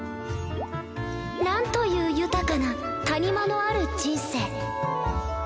何という豊かな谷間のある人生